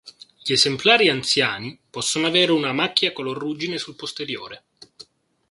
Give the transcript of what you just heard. Gli esemplari anziani possono avere una macchia color ruggine sul posteriore.